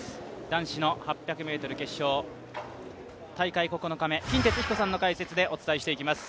男子の８００ｍ決勝、大会９日目、金哲彦さんの解説でお伝えしていきます。